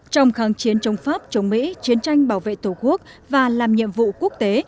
trong kháng chiến chống pháp chống mỹ chiến tranh bảo vệ tổ quốc và làm nhiệm vụ quốc tế